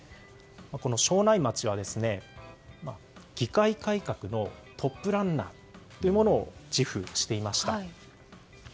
庄内町は議会改革のトップランナーというものを自負していました。